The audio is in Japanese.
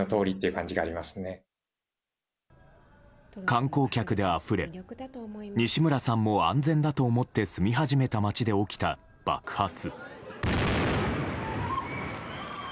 観光客であふれ西村さんも安全だと思って住み始めた街で起きた爆発。